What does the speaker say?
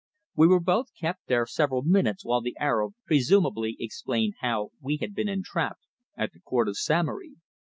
We were both kept there several minutes while the Arab presumably explained how we had been entrapped at the court of Samory.